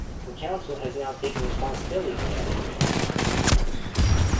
The Council has now taken responsibility for that area.